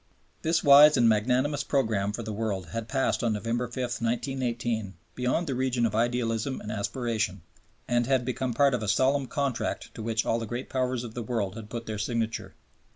This wise and magnanimous program for the world had passed on November 5, 1918 beyond the region of idealism and aspiration, and had become part of a solemn contract to which all the Great Powers of the world had put their signature.